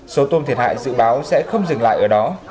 số tôm thiệt hại dự báo sẽ không dừng lại ở đó